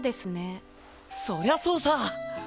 そりゃそうさ！